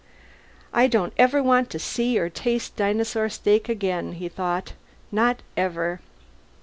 I don't ever want to see or taste a dinosaur steak again, he thought. Not ever.